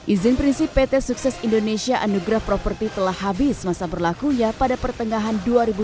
izin prinsip pt sukses indonesia anugerah properti telah habis masa berlakunya pada pertengahan dua ribu dua puluh